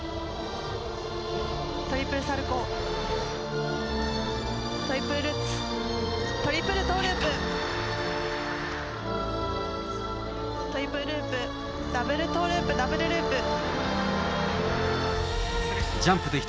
トリプルルッツ、トリプルトーループ。